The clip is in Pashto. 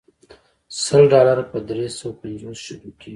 سل ډالر په درې سوه پنځوس شلو کېږي.